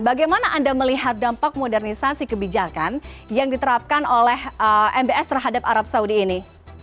bagaimana anda melihat dampak modernisasi kebijakan yang diterapkan oleh mbs terhadap arab saudi ini